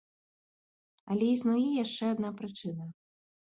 Але існуе яшчэ адна прычына.